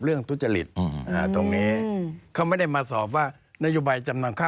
และยังไงต่อคะอาจารย์